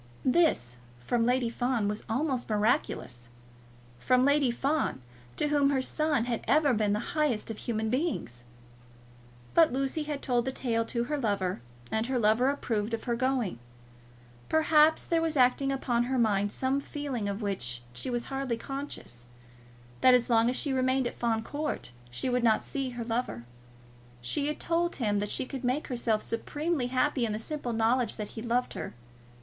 This, from Lady Fawn, was almost miraculous, from Lady Fawn, to whom her son had ever been the highest of human beings! But Lucy had told the tale to her lover, and her lover approved of her going. Perhaps there was acting upon her mind some feeling, of which she was hardly conscious, that as long as she remained at Fawn Court she would not see her lover. She had told him that she could make herself supremely happy in the simple knowledge that he loved her.